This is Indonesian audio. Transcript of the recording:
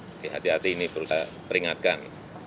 jadi hati hati ini perlu saya peringatkan